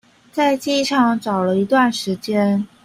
在機場找了一段時間